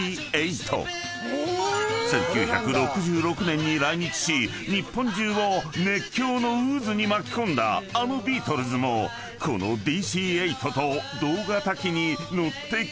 ［１９６６年に来日し日本中を熱狂の渦に巻き込んだあのビートルズもこのＤＣ−８と同型機に乗ってきたのだ］